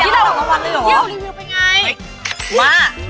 ได้ลระวังเลยเหรอ